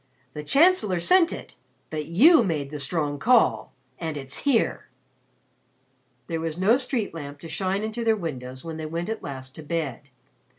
The Chancellor sent it but you made the strong call and it's here!" There was no street lamp to shine into their windows when they went at last to bed.